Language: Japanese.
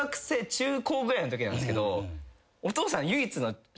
中高ぐらいのときなんですけど。